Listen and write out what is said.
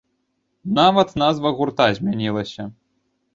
Нават назва гурта змянілася!